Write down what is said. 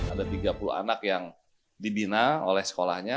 ada tiga puluh anak yang dibina oleh sekolahnya